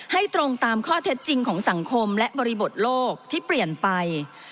ให้ตรงตามข้อเท็จจริงของสังคมและบริบทโลกที่เปลี่ยนไป